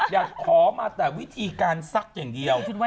อยากขอมาแต่วิธีการซักอย่างเดียว